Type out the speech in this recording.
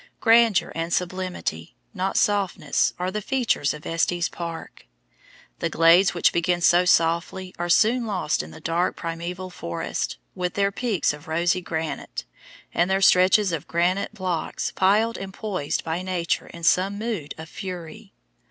Grandeur and sublimity, not softness, are the features of Estes Park. The glades which begin so softly are soon lost in the dark primaeval forests, with their peaks of rosy granite, and their stretches of granite blocks piled and poised by nature in some mood of fury.